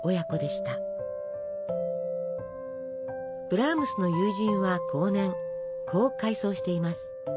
ブラームスの友人は後年こう回想しています。